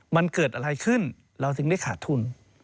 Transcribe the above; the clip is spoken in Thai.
มันเกิดอะไรขึ้นเราจึงได้ขาดทุน